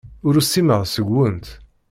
Ur usimeɣ seg-went.